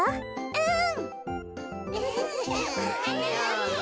うん。